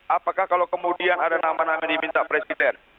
apakah kalau kemudian ada nama nama yang diminta presiden